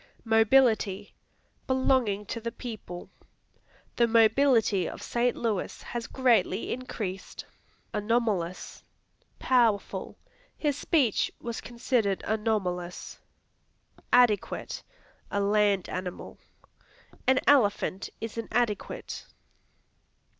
Mobility Belonging to the people; "The mobility of St. Louis has greatly increased." Anomalous Powerful; "His speech was considered anomalous." Adequate A land animal; "An elephant is an adequate."